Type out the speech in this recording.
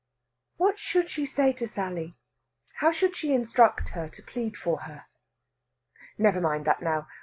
What should she say to Sally? how should she instruct her to plead for her? Never mind that now.